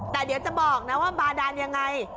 แต่เดี๋ยวจะบอกนะว่าบาดานยังไง